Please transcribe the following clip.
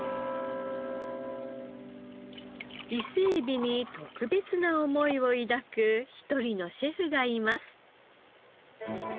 伊勢エビに特別な思いを抱く一人のシェフがいます。